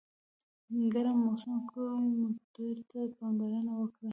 ګرم موسم کې موټر ته پاملرنه وکړه.